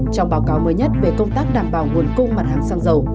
trong báo cáo mới nhất về công tác đảm bảo nguồn cung mặt hàng xăng dầu